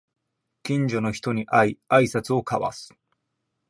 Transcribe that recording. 近所の人に会いあいさつを交わす